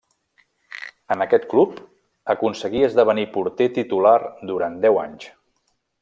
En aquest club aconseguí esdevenir porter titular durant deu anys.